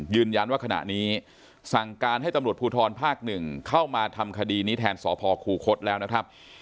ยืนยันว่าขณะนี้สั่งการให้ตำรวจภูทรภาค๑เข้ามาทำคดีนี้แทนสพคูคศแล้วนะครับ